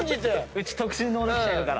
うち特殊能力者いるから。